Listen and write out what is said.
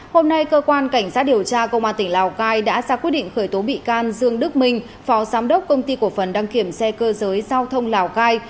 hôm nay cơ quan cảnh sát điều tra công an tỉnh lào cai đã ra quyết định khởi tố bị can dương đức minh phó giám đốc công ty của phần đăng kiểm xe cơ giới giao thông lào cai